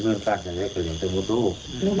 แม่คนที่ตายก็ไม่มีใครเชื่อหรอก